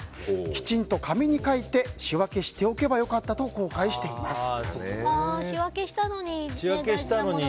きちんと紙に書いて仕分けしておけば良かったと仕分けしたのに。